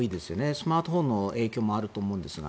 スマートフォンの影響もあると思うんですが。